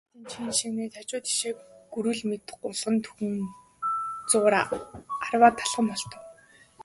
Самбуу Насанбатын чихэнд шивгэнээд хажуу тийшээ гүрвэл мэт гулган төдхөн зуур арваад алхам холдов.